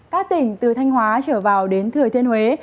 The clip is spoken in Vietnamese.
các tỉnh từ thanh hóa trở vào đến thừa thiên huế